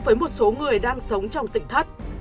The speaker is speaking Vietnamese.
với một số người đang sống trong tỉnh thất